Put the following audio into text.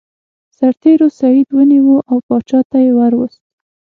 سرتیرو سید ونیو او پاچا ته یې ور وست.